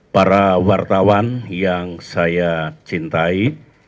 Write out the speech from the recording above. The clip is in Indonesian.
para wartawan yang saya cintai